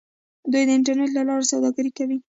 دوی د انټرنیټ له لارې سوداګري کوي.